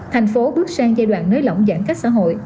thành phố bước sang giai đoạn nới lỏng giãn cách xã hội